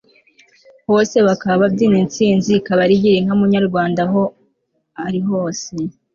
hose bakaba babyina intsinzi ikaba ari girinka munyarwanda aho uri hose